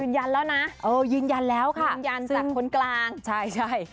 ยืนยันแล้วนะจริงแล้วค่ะจริงจากคนกลางใช่